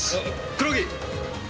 黒木。